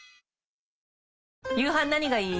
夕飯何がいい？